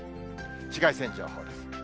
紫外線情報です。